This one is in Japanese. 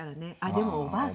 でもおばあか。